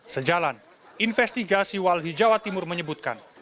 sejalan investigasi walhi jawa timur menyebutkan